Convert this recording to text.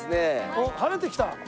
おっ晴れてきた！